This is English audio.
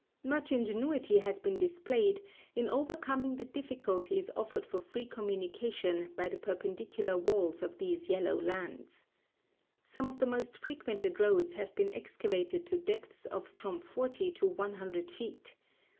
Much ingenuity has been displayed in overcoming the difficulties offered to free communication by the perpendicular walls of these yellow lands. Some of the most frequented roads have been excavated to depths of from forty to one hundred feet.